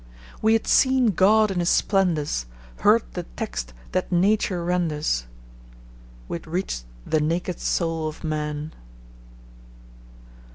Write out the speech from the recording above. We had seen God in His splendours, heard the text that Nature renders. We had reached the naked soul of man.